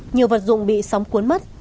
nhiều vật dụng bị sóng cuốn mất